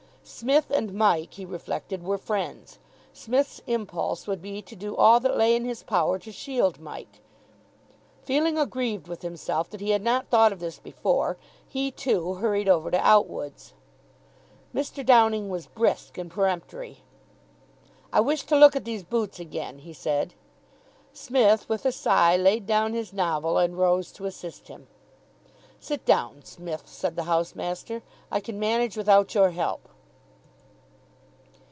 Psmith and Mike, he reflected, were friends. Psmith's impulse would be to do all that lay in his power to shield Mike. Feeling aggrieved with himself that he had not thought of this before, he, too, hurried over to Outwood's. Mr. Downing was brisk and peremptory. "I wish to look at these boots again," he said. Psmith, with a sigh, laid down his novel, and rose to assist him. "Sit down, Smith," said the housemaster. "I can manage without your help."